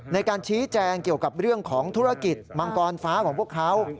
ในการชี้แจงเกี่ยวกับเรื่องของธุรกิจมังกรฟ้าของพวกเขา